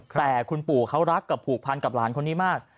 แต่คุณปู่เขารักกับผูกพันกับหลานคนนี้มาก